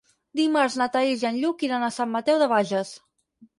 Dimarts na Thaís i en Lluc iran a Sant Mateu de Bages.